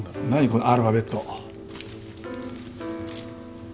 このアルファベット。